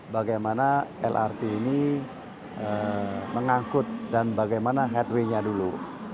bagaimana lrt ini mengangkut dan bagaimana headway nya dulu